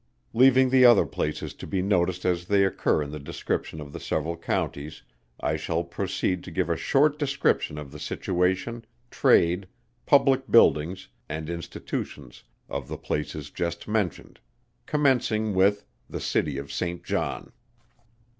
Leaving the other places to be noticed as they occur in the description of the several Counties, I shall proceed to give a short description of the situation, trade, public buildings, and institutions of the places just mentioned; commencing with the CITY OF SAINT JOHN.